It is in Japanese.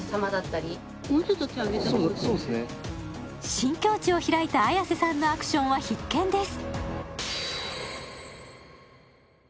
新境地を開いた綾瀬さんのアクションは必見です。